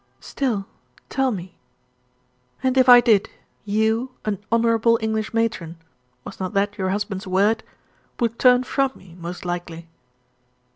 "Still, tell me." "And if I did, you, an 'honourable English matron' was not that your husband's word? would turn from me, most likely."